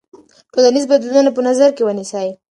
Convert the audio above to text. ټولنیز بدلونونه په نظر کې ونیسئ.